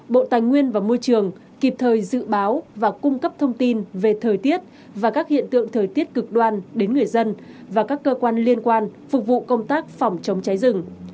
bộ tài nguyên và môi trường kịp thời dự báo và cung cấp thông tin về thời tiết và các hiện tượng thời tiết cực đoan đến người dân và các cơ quan liên quan phục vụ công tác phòng chống cháy rừng